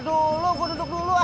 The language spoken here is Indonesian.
duduk dulu gua duduk dulu ya